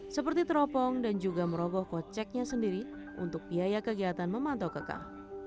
seperti teropong dan juga meroboh kode ceknya sendiri untuk biaya kegiatan memantau kekah